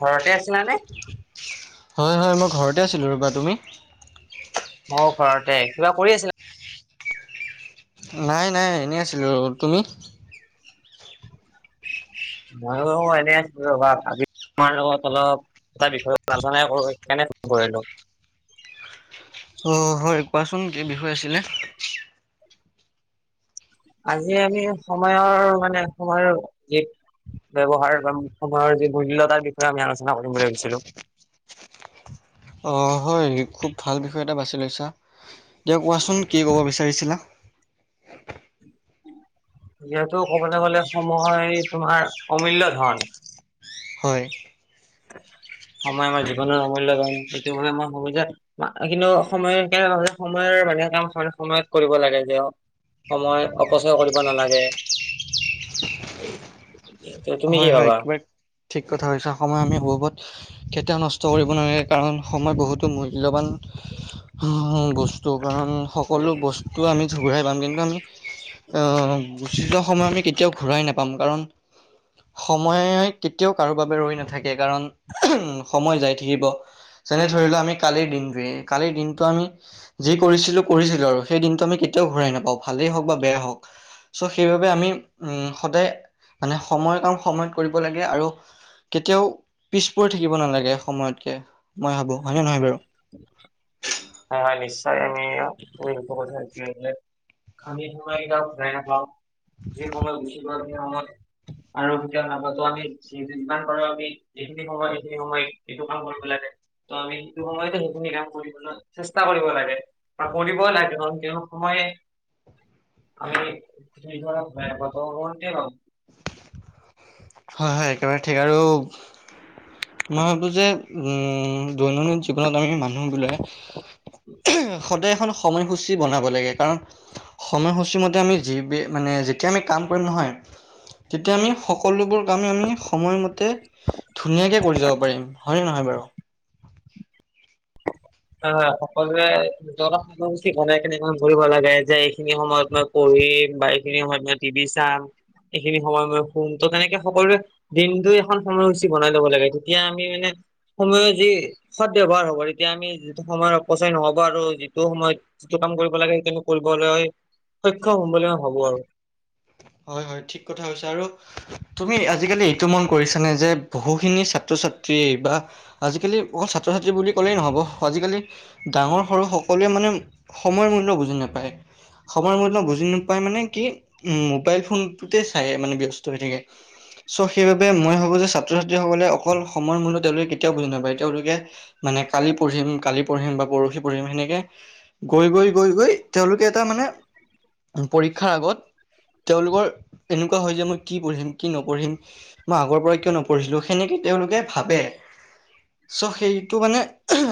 ঘৰতে আছিলা নে? হয় হয় মই ঘৰতে আছিলোঁ ৰ'বা, তুমি? অঁ, ঘৰতে। কিবা কৰি আছিলা? নাই, নাই এনেই আছিলোঁ। তুমি? ময়ো এনে আছিলোঁ ৰ'বা, [unintelligible] তোমাৰ লগত অলপ এটা বিষয় [unintelligible] আলোচনা কৰোঁ, সেইকাৰণে ফোন কৰিলোঁ। অ' হয় কোৱাচোন কি বিষয় আছিলে? আজি আমি সময়ৰ মানে সময়ৰ যি ব্যৱহাৰ বা সময়ৰ যি মূল্য তাৰ বিষয়ে আমি আলোচনা কৰিম বুলি ভাবিছিলোঁ! অঁ, হয়! খুব ভাল বিষয় এটা বাছি লৈছা! দিয়া কোৱাচোন, কি ক'ব বিচাৰিছিলা? যিহেতু ক'বলে গলে সময় তোমাৰ অমূল্য ধন। হয়। সময় আমাৰ জীৱনৰ অমূল্য ধন! সেইটো বাবে মই ভাবোঁ যে, কিন্তু সময়ৰ কেৰ সময়ৰ মানে কাম সময়ত কৰিব লাগে যে অ। সময় অপচয় কৰিব নালাগে। তুমি কি হয়, হয়। ভাবা? কিবা ঠিক কথা কৈছা। সময় আমি অবাবত কেতিয়াও নষ্ট কৰিব নালাগে কাৰণ সময় বহুতো মূল্যৱান বস্তু, কাৰণ সকলো বস্তু আমি ঘূৰাই পাম কিন্তু আমি অ গুচি যোৱা সময় আমি কেতিয়াও ঘূৰাই নাপাম কাৰণ সময় কেতিয়াও কাৰো বাবে ৰৈ নাথাকে কাৰণ সময় যাই থাকিব। যেনে ধৰি লওঁ আমি কালিৰ দিনটোৱে, কালিৰ দিনটো আমি যি কৰিছিলোঁ, কৰিছিলোঁ আৰু সেই দিনটো আমি কেতিয়াও ঘূৰাই নাপাওঁ। ভালেই হওক বা বেয়া হওক। চ' সেইবাবে আমি উম সদায় মানে সময়ৰ কাম সময়ত কৰিব লাগে আৰু কেতিয়াও পিছ পৰি থাকিব নালাগে সময়তকে, মই ভাবোঁ! হয়নে নহয় বাৰু? হয়, হয়। নিশ্চয় আমি [unintelligible] [unintelligible] যি সময় গুছি গ'ল সেই সময় আৰু [inaudible] আমি [inaudible] পাৰোঁ আমি এইখিনি সময় সেইখিনি সময় এইটো কাম কৰিব লাগে, ত' আমি সেইটো সময়তে সেইখিনি কাম কৰিছোঁ ন! চেষ্টা কৰিব লাগে বা কৰিবই লাগিব, কিয়নো সময় আমি [unintelligible] হয়, হয়। একেবাৰে ঠিক আৰু মই ভাবোঁ যে উম দৈনন্দিন জীৱনত আমি মানুহ বোলে সদায় এখন সময়সূচী বনাব লাগে, কাৰণ সময়সূচী মতে আমি যি বি মানে যেতিয়া আমি কাম কৰিম নহয়। তেতিয়া আমি সকলোবোৰ কামে আমি সময়মতে ধুনীয়াকে কৰি যাব পাৰিম। হয় নে নহয় বাৰু? হয়, হয়। সকলোৱে [unintelligible] ধৰিব লাগে যে এইখিনি সময়ত মই পঢ়িম বা এইখিনি সময়ত মই টি ভি চাম। এইখিনি সময় মই শুম, ত' তেনেকে সকলোৱে দিনটো এখন সময়সূচী বনাই ল'ব লাগে। তেতিয়া আমি মানে সময়ৰ যি সদব্যৱহাৰ হ'ব, তেতিয়া আমি যিটো সময় অপচয় নহ'ব আৰু যিটো সময়ত যিটো কাম কৰিব লাগে সেইখিনি কৰিবলৈ সক্ষম হ'ম বুলি মই ভাবোঁ আৰু। হয়, হয়। ঠিক কথা কৈছা আৰু তুমি আজিকালি এইটো মন কৰিছানে যে বহুখিনি ছাত্ৰ ছাত্ৰীয়ে বা আজিকালি অকল ছাত্ৰ ছাত্ৰী বুলি ক'লেই নহ'ব, আজিকালি ডাঙৰ সৰু সকলোৱে মানে সময়ৰ মূল্য বুজি নাপায়। সময়ৰ মূল্য বুজি নোপায় মানে কি উম মোবাইল ফোনটোতে চাই মানে ব্যস্ত হৈ থাকে। চ' সেইবাবে মই ভাবোঁ যে ছাত্ৰ ছাত্ৰীসকলে অকল সময়ৰ মূল্য তেওঁলোকে কেতিয়াও বুজি নাপায়। তেওঁলোকে মানে কালি পঢ়িম, কালি পঢ়িম বা পৰষি পঢ়িম শেনেকে গৈ গৈ গৈ গৈ তেওঁলোকে এটা মানে পৰীক্ষাৰ আগত তেওঁলোকৰ এনেকুৱা হয় যে, মই কি পঢ়িম কি নপঢ়িম। মই আগৰ পৰা কিয় নপঢ়িছিলো? সেনেকে তেওঁলোকে ভাবে। চ' সেইটো মানে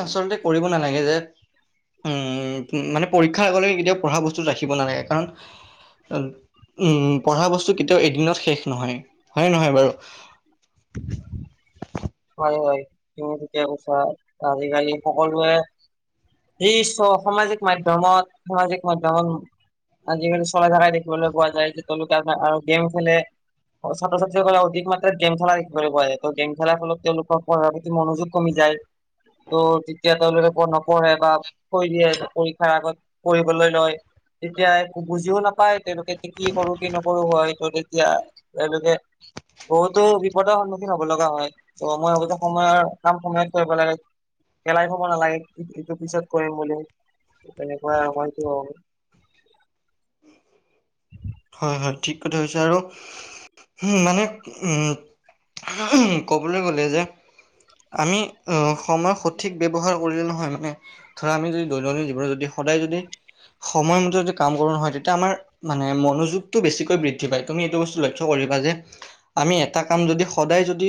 আচলতে কৰিব নালাগে যে উম, মানে পৰীক্ষাৰ আগলৈ কেতিয়াও পঢ়া বস্তু ৰাখিব নালাগে। কাৰণ উম, পঢ়া বস্তু কেতিয়াও এদিনত শেষ নহয়। হয় নে নহয় বাৰু? হয়, হয়। তুমি ঠিকেই কৈছা আজিকালি সকলোৱে [unintelligible] সামাজিক মাধ্য়মত সামাজিক মাধ্য়মত আজিকালি চল ধাৰাই দেখিবলৈ পোৱা যায় যে। তেওঁলোকে আ আৰু গেম খেলে অ', ছাত্ৰ- ছাত্ৰীয়ে কলে [unintelligible] গেম খেলা দেখিবলৈ পোৱা যায় ত গেম খেলাৰ ফলত তেওঁলোকৰ পঢ়াৰ প্ৰতি মনোযোগ কমি যায়। ত' তেতিয়া তেওঁলোকে পঢ নপঢ়ে [unintelligible] কৈ দিয়ে পৰীক্ষাৰ আগত কৰিবঢ়লৈ লৈ। তেতিয়া একো বুজিও নাপায় তেওঁলোকে কি কৰো কি নকৰো হয় তেতিয়া তেওঁলোকে বহুতো বিপদ [unintelligible] কি হব লগা হয় ত মই ভাবো যে সময়ৰ কাম সময়ত কৰিব লাগে। খেলাই থাব নালাগে এইটো পিছত কৰিম বুলি তেনেকুৱাই আৰু মই সটো হ হয়, হয়। ঠিক কথা হৈছে আৰু উম, মানে উম ক'বলৈ গলে যে আমি সময় সঠিক ব্যৱহাৰ কৰিলে নহয় মানে ধৰা আমি যদি দৈনন্দিন জীৱনত যদি সদায় যদি সময় মতে যদি কাম কৰো নহয়। তেতিয়া আমাৰ মানে মনোজ যুগটো বেছিকৈ বৃদ্ধি পায় তুমি এইটো বস্তু লক্ষ্য কৰিবা যে আমি এটা কাম যদি সদায় যদি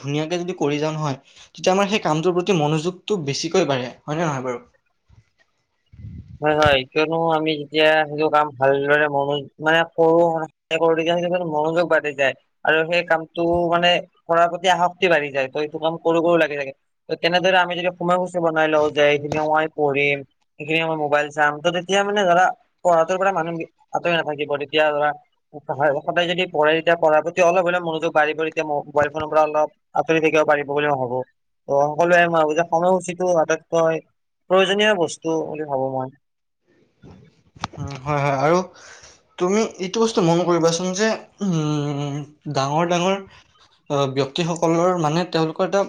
ধুনীয়াকে যদি কৰি যাওঁ নহয় তেতিয়া আমাৰ সেই কামটোৰ প্ৰতি মনোযোগতটো বেছিকৈ বাঢ়ে হয় নে নহয় বাৰু? হয়, হয়। কিয়নো আমি যেতিয়া সেইটো কাম ভালদৰে মন মানে [unintelligible] [unintelligible] মনোযোগ বাঢ়ি যায়। আৰু সেই কামটো মানে কৰাৰ প্ৰতি আসক্তি বাঢ়ি যায় ত এইটো কাম কৰো কৰো লাগি থাকে। ত তেনেদৰে আমি যদি সোমাই মুছে বনাই লও যে [unintelligible] মই পঢ়িম [unintelligible] মোবাইল চাম ত তেতিয়া মানে ধৰা পঢ়াটোৰ পৰা মানুহ আতৰি নাথাকিব তেতিয়া ধৰা সদায় যদি পঢ়ে তেতিয়া পঢ়াৰ প্ৰতি অলপ হলে মনোযোগ ব বাঢ়িব এতিয়া মোবাইল ফনৰ পৰা অলপ আঁতৰি থাকিব পাৰিব বুলি [unintelligible] সকলোৱে মই ভাবো যে সময়সূচীটো আটাইতকৈ প্ৰয়োজনীয় বস্তু বুলি ভাবো মই। হয়, হয়। আৰু? তুমি এইটো বস্তু মন কৰিবাচোন যে উম, ডাঙৰ ডাঙৰ আহ ব্যক্তিসকলৰ মানে তেওঁলোকৰ এটা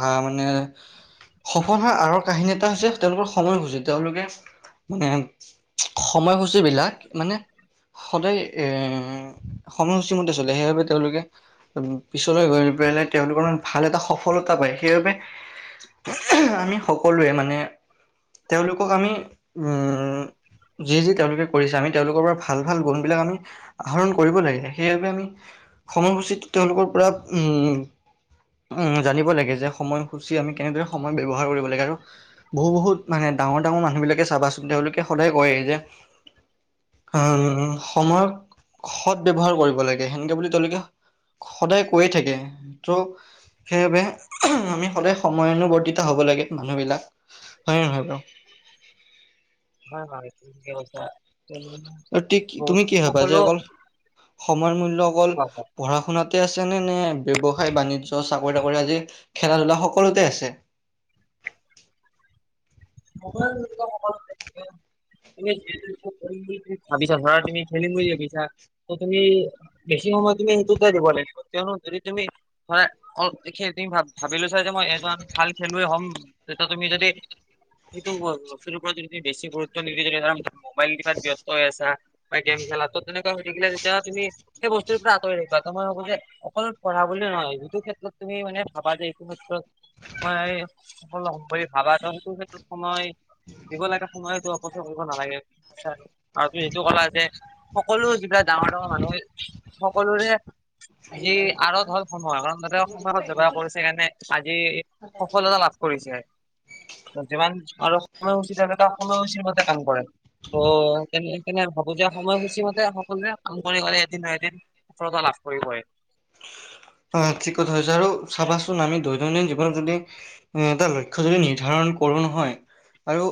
আহ মানে সফল আঁৰ কাহিনী এটা হৈছে তেওঁলোকৰ সময় [unintelligible] তেঁওলোকৰ মানে সময়সূচী বিলাক মানে সদায় এ সময়সূচী মতে চলে সেইবাবে তেওঁলোকে পিছলৈ গৈ পেলাই তেওঁলোকৰ মে ভাল এটা সফলতা পায়। সেইবাবে আমি সকলোৱে মানে তেওঁলোকক আমি উম যি যি তেওঁলোকে কৰিছে আমি তেওঁলোকৰ পৰা ভাল ভাল গুণ বিলাক আমি আহৰণ কৰিব লাগে সেইবাবে আমি সময়সূচী তেওঁলোকৰ পৰা উম, উম, জানিব লাগে, যে সময়সূচী আমি কেনেদৰে সময় ব্যৱহাৰ কৰিব লাগে। আৰু বহু বহুত মানে ডাঙৰ ডাঙৰ মানুহ বিলাকে চাবাচোন তেওঁলোকে সদায় কয় যে উ সময়ক সৎ ব্যৱহাৰ কৰিব লাগে। সেনেকে বুলি তেওঁলোকে সদায় কৈয়ে থাকে। ত' সেইবাবে আমি সদায় সময়ানবৰ্তিত হ'ব লাগে মানুহবিলাক। হয় নে নহয় বাৰু? হয় হয় ঠিকে কৈছা। কিয়নো তি তুমি বহুত কি ভবা যে সকলো অকল সময় মূল্য অকল কোৱা কোৱা। পঢ়া শুনাতে আছেনে নে ব্যৱসায় বাণিজ্য চাকৰি তাকৰি আদি খেলা-ধূলা সকলোতে আছে? [inaudible] এনে [inaudible] তুমি খেলিম বুলি ভাবিছা ত তুমি বেছি সময় তুমি সেইটোতে দিব লাগিব। কিয়নো যদি তুমি ধৰা অলপ দেখে তুমি ভাব ভাবি লৈছা যে মই এজন ভাল খেলুৱৈ হ'ম, তেতিয়া তুমি যদি সেইটো বস্তুটোৰ ওপৰত যদি বেছি গুৰুত্ব নিদি যদি ধৰা মোবাইল টিপাত ব্যস্ত হৈ আছা বা গেম খেলাত ত তেনেকুৱা হৈ থাকিলে তেতিয়া তুমি সেই বস্তুটোৰ পৰা আঁতৰি থাকিবা, তোমাৰ হব যে অকল পঢ়া বুলিয়ে নহয়, যিটো ক্ষেত্ৰত তুমি মানে ভাবা যে এইটো ক্ষেত্ৰত মই সফল হ'ম বুলি ভাবা ত সেইটো ক্ষেত্ৰটো সময় দিব লাগে, সময়তো অপব্যয় কৰিব নালাগে, আৰু তুমি এইটো কলা যে সকলো যিবিলাক ডাঙৰ-ডাঙৰ মানুহ সকলোৰে যি আৰ ধৰ হ'ল সোনোৱা। কাৰণ ধক সময়ত যোগাৰ কৰিছে সেইকাৰণে আজি [inaudible] সফলতা লাভ কৰিছে। যিমান আৰু সময়সূচী থাকে, কাম সময়সূচীৰ মতে কাম কৰে। অ সেই কেনে ভাবো যে সময়সূচী মতে সকলোৱে কাম কৰি গলে এদিন নহয় এদিন সফলতা লাভ কৰিবই। হয় ঠিক কথা কৈছা আৰু চাবাচোন আমি দৈনন্দিন জীৱনত যদি কোনো এটা লক্ষ্য যদি নিৰ্ধাৰণ কৰোঁ নহয় আৰু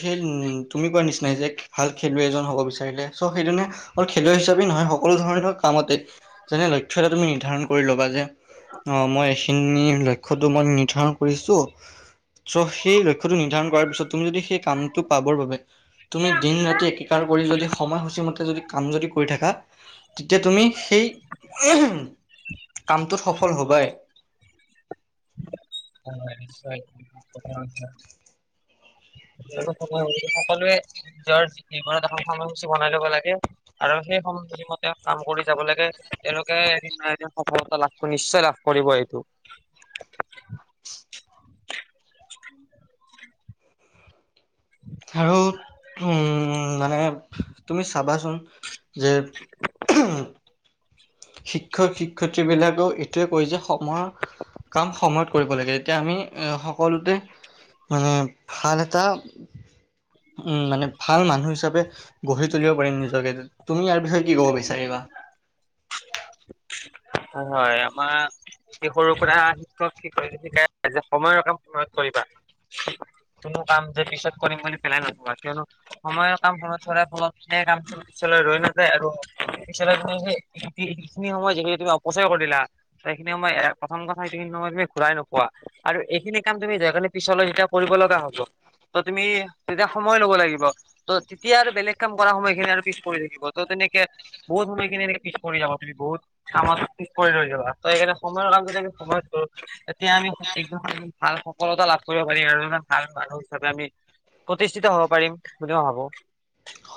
সেই তুমি কোৱা নিচিনাই যে ভাল খেলুৱৈ এজন হ'ব বিচাৰিলে চ সেইজনে অকল খেলুৱৈ হিচাপে নহয় সকলো ধৰণৰ ধৰ কামতে যেনে লক্ষ্য এটা তুমি নিৰ্ধাৰণ কৰি ল'বা যে অঁ মই এইখিনি লক্ষ্যটো মই নিৰ্ধাৰণ কৰিছোঁ চ সেই লক্ষ্যটো নিৰ্ধাৰণ কৰাৰ পিছত তুমি যদি সেই কামটো পাবৰ বাবে তুমি দিন ৰাতি একেকাৰ কৰি যদি সময়সূচী মতে যদি কাম যদি কৰি থাকা তেতিয়া তুমি সেই কামটোত সফল হ'বাই। [inaudible] [inaudible] সকলোৱে নিজৰ জীৱনত এখন সময়সূচী বনাই ল'ব লাগে। আৰু সেই সময়সূচীমতে কাম কৰি যাব লাগে। তেওঁলোকে এদিন নহয় এদিন সফলতা লাভ নিশ্চয় লাভ কৰিব এইটো। [unintelligible] আৰু উম মানে তুমি চাবাচোন যে শিক্ষক শিক্ষয়িত্ৰীবিলাকেও এইটোৱে কয় যে সময়ৰ কাম সময়ত কৰিব লাগে। এতিয়া আমি এ সকলোতে উম ভাল এটা উম মানে ভাল মানুহ হিচাপে গঢ়ি তুলিব পাৰিম নিজকে। তুমি ইয়াৰ বিষয়ে কি ক'ব বিচাৰিবা? হয় হয় আমাৰ এই সৰু পৰা শিক্ষকে শিকাই যে সময়ৰ কাম সময়ত কৰিবা। কোনো কাম যে পিছত কৰিম বুলি পেলাই নথবা। কিয়নো সময়ৰ কাম সময়ত কৰা ফলত সেই কামটো পিছলৈ ৰৈ নাযায় আৰু পিছলৈ থকা দি এইখিনি সময় যিখিনি তুমি অপচয় কৰিলা সেইখিনি সময়, এ প্ৰথম কথা সেইখিনি সময় তুমি ঘুৰাই নোপোৱা। আৰু এইখিনি কাম তুমি যোৱাকালি পিছলৈ যেতিয়া কৰিব লগা হ'ব ত তুমি তেতিয়া সময় ল'ব লাগিব। ত' তেতিয়া আৰু বেলেগ কাম কৰা সময়খিনি আৰু পিছ পৰি থাকিব। ত' তেনেকে বহুত সময় খিনি এনেকে পিছ পৰি যাবা তুমি, বহুত কামত পিছ পৰি ৰৈ যাবা। ত' সেইকাৰণে সময়ৰ কাম যদি সময়ত কৰো তেতিয়া আমি সঠিকভাবে ভাল সফলতা লাভ কৰিব পাৰিম আৰু ভাল মানুহ হিচাপে আমি প্ৰতিষ্ঠিত হব পাৰিম বুলি মই ভাবো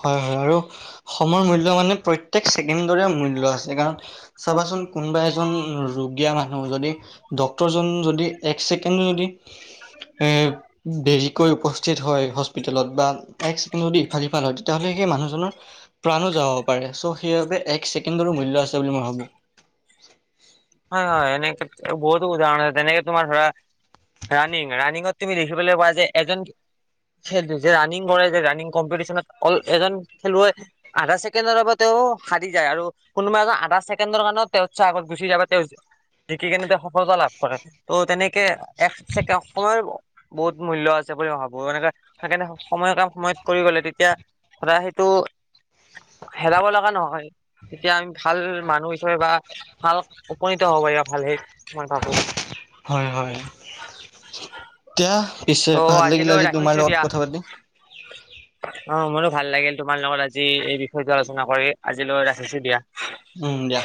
হয় হয় আৰু সময় মূল্য মানে প্ৰত্যেক ছেকেণ্ডৰে মূল্য আছে কাৰণ চাবাচোন কোনোবা এজন ৰুগীয়া মানুহ যদি ডক্তৰজন যদি এক ছেকেণ্ডো যদি এ দেৰিকৈ উপস্থিত হয় হস্পিতেলত বা এক ছেকেণ্ডো যদি ইফাল সিফাল হয় তেতিয়াহ'লে সেই মানুহজনৰ প্ৰাণো যাব পাৰে চ' সেইবাবে এক ছেকেণ্ডৰো মূল্য আছে বুলি মই ভাবোঁ হয় হয় এনে ক্ষেত বহুতো উদাহৰণ আছে যেনেকে তোমাৰ ধৰা ৰানিং ৰানিঙত তুমি দেখিবলৈ পোৱা যে এজন খেলটো যে ৰানিং কৰে যে ৰানিং কম্পিটিশনত অল এজন খেলুৱৈ আধা ছেকেণ্ডৰ বাবেও তেওঁ হাৰি যায় আৰু কোনোবা এজন আধা ছেকেণ্ডৰ কাৰণেও তেওঁতচে আগত গুচি যাই বাত তেওঁ জিকি কেনে তেওঁ সফলতা লাভ কৰে ত' তেনেকে একচেকে সময়ৰ বহুত মূল্য আছে বুলি মই ভাবো এনেকে সেইকাৰণে সময় কাম সময়ত কৰি গলে তেতিয়া ধৰা সেইটো হেৰাব লাগা নহয় তেতিয়া আমি ভাল মানুহ হিচাপে বা ভাল উপনীত হ'ব পাৰিবা ভালেই মই ভাবো হয় হয় এতিয়া পিছে ত' ভাল লাগিলে আজিলৈ আজি তোমাৰ ৰাখিছো লগত দিয়া কথা পাতি [unintelligible] অ মোৰো ভাল লাগিল তোমাৰ লগত আজি এই বিষয়টো আলোচনা কৰি আজিলৈ ৰাখিছো দিয়া উম দিয়া